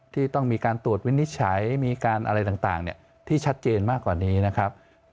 ที่ต้องมีการตรวจวินิจฉัยมีการอะไรต่างที่ชัดเจนมากกว่านี้นะครับ